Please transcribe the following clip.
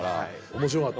面白かった。